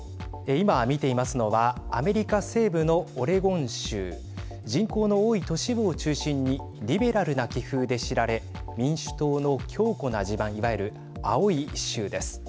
今見ていますのはアメリカ西部のオレゴン州人口の多い都市部を中心にリベラルな気風で知られ民主党の強固な地盤いわゆる青い州です。